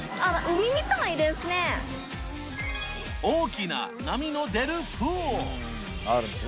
大きな波の出る